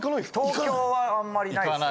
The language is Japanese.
東京はあんまりないですね。